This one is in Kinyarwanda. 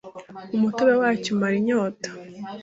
umutobe wacyo umara inyota